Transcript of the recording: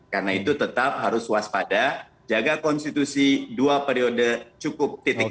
karena itu tetap harus waspada jaga konstitusi dua periode cukup titik